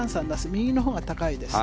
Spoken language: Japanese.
右のほうが高いです。